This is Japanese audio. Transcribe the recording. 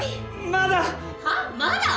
まだ！？